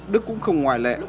đức cũng không ngoài lệ